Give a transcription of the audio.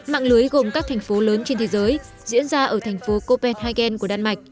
mạng lưới gồm các thành phố lớn trên thế giới diễn ra ở thành phố copenhagen của đan mạch